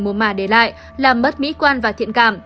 mồm mà để lại làm bất mỹ quan và thiện cảm